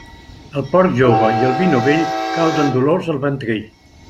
El porc jove i el vi novell causen dolors al ventrell.